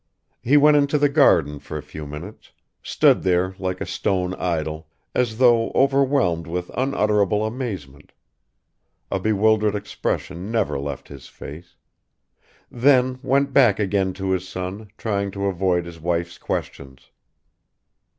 He went into the garden for a few minutes, stood there like a stone idol, as though overwhelmed with unutterable amazement (a bewildered expression never left his face), then went back again to his son, trying to avoid his wife's questions.